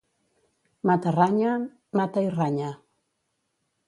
Matarranya... mata i ranya.